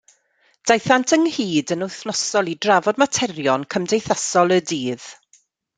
Daethant ynghyd yn wythnosol i drafod materion cymdeithasol y dydd.